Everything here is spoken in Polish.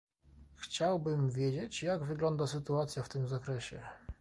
Chciałbym wiedzieć, jak wygląda sytuacja w tym zakresie